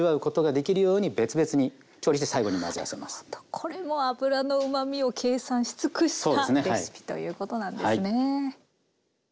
これも脂のうまみを計算し尽くしたレシピということなんですね。